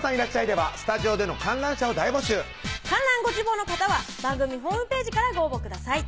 ではスタジオで観覧ご希望の方は番組ホームページからご応募ください